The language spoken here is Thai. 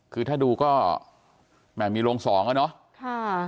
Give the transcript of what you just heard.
คือถ้าดูก็แหม่มีโรงสองแล้วเนาะ